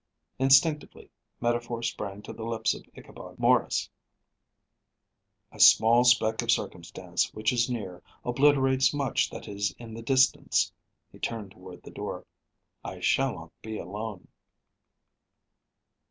Instinctively, metaphor sprang to the lips of Ichabod Maurice. "A small speck of circumstance, which is near, obliterates much that is in the distance." He turned toward the door. "I shall not be alone."